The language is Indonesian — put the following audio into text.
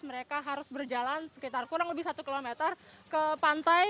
mereka harus berjalan sekitar kurang lebih satu kilometer ke pantai